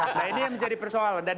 nah ini yang menjadi persoalan